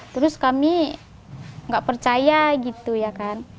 terus kami nggak percaya gitu ya kan